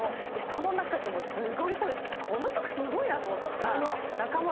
その中でもこの曲すごいなと思ったのが。